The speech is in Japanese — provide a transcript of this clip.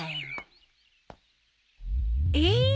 えっ！？